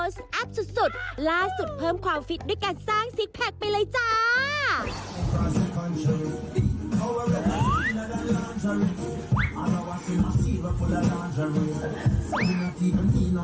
อัพสุดล่าสุดเพิ่มความฟิตด้วยการสร้างซิกแพคไปเลยจ้า